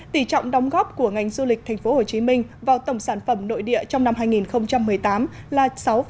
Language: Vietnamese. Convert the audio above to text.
tỷ trọng đóng góp của ngành du lịch thành phố hồ chí minh vào tổng sản phẩm nội địa trong năm hai nghìn một mươi tám là sáu chín